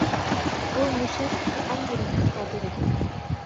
بۇ مۇشۇ ھەقتىكى ئەڭ بۇرۇنقى خاتىرىدۇر.